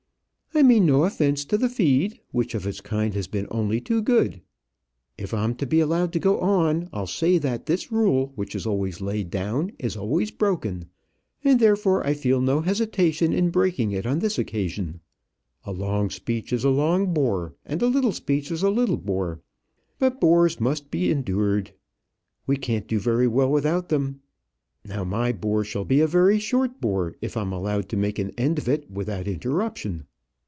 "I mean no offence to the feed, which, of its kind, has been only too good. If I'm to be allowed to go on, I'll say, that this rule, which is always laid down, is always broken; and therefore I feel no hesitation in breaking it on this occasion. A long speech is a long bore, and a little speech is a little bore; but bores must be endured. We can't do very well without them. Now my bore shall be a very short bore if I'm allowed to make an end of it without interruption."